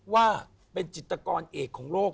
ว่าเป็นจิตกรเอกของโลก